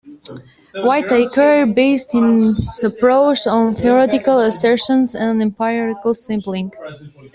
Whittaker based his approach on theoretical assertions and empirical sampling.